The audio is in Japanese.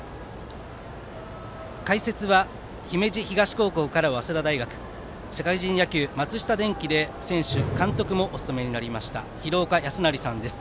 解説は姫路東高校から早稲田大学社会人野球、松下電器で選手・監督もお務めになりました廣岡資生さんです。